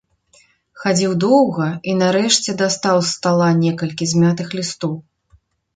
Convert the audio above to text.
Хадзіў доўга і, нарэшце, дастаў з стала некалькі змятых лістоў.